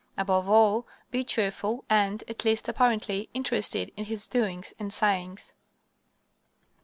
Above all, be cheerful and, at least apparently, interested in his doings and sayings.